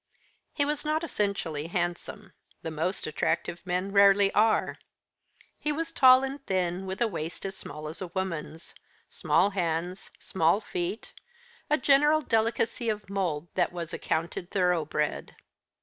He was not essentially handsome. The most attractive men rarely are. He was tall and thin, with a waist as small as a woman's, small hands, small feet a general delicacy of mould that was accounted thoroughbred.